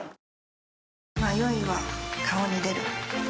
迷いは顔に出る。